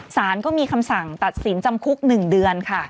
สารก็มีคำสั่งตัดสินจำคุก๑เดือนค่ะ